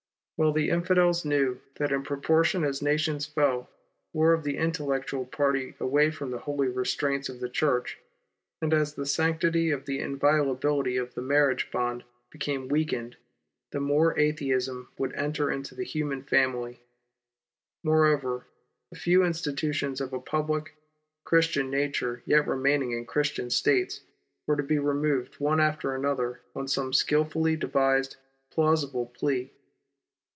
Well the infidels knew that in proportion as nations fell away from the holy restraints of the Church, and as the sanctity and inviolability of the marriage bond became weakened, the more Atheism would enter into the human family. Moreover, the few institutions of a public, Christian nature yet remaining in Christian States were to be removed one after another on some skilfully devised, plausible plea.